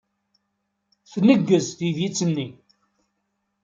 Tneggez teydit-nni.